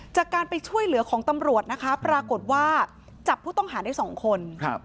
จากการไปช่วยเหลือของตำรวจนะคะปรากฏว่าจับผู้ต้องหาได้๒คน